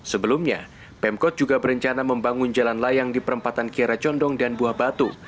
sebelumnya pemkot juga berencana membangun jalan layang di perempatan kiara condong dan buah batu